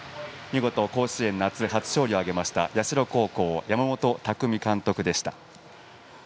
見事、甲子園で夏初勝利を挙げました、社高校山本巧監督でした。